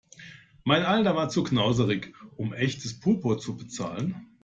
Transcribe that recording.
Mein Alter war zu knauserig, um echtes Purpur zu bezahlen.